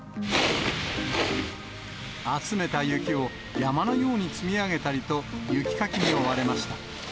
集めた雪を山のように積み上げたりと、雪かきに追われました。